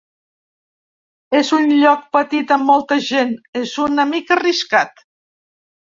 És un lloc petit amb molta gent, és una mica arriscat.